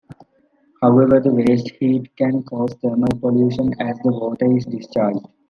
However, the waste heat can cause thermal pollution as the water is discharged.